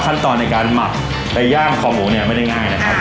ขั้นตอนในการหมักในย่างคอหมูเนี่ยไม่ได้ง่ายนะครับ